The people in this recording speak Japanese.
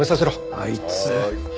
あいつ。